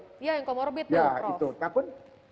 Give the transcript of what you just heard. ya yang comorbid tuh prof